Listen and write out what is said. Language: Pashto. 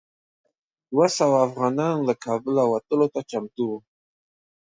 دوه سوه افغانان له کابله وتلو ته چمتو وو.